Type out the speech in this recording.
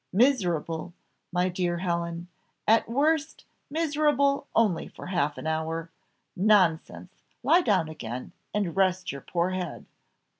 "Miserable! my dear Helen; at worst miserable only for half an hour. Nonsense! lie down again, and rest your poor head.